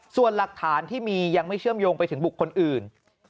ส่วนหลักฐานที่มียังไม่เชื่อมโยงไปถึงบุคคลอื่น